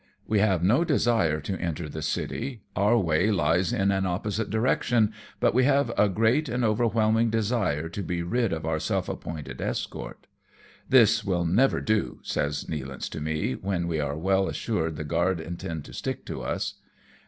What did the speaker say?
We have no desire to enter the city, our way lies in an opposite direction, but we have a great and over whelming desire to be rid of our self appointed escort. " This will never do," says Nealance to me, when we are well assured the guard intend to stick to us.